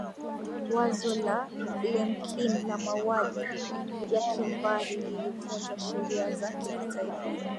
wazo la lemkin la mauaji ya kimbari lilivunjwa sheria za kimataifa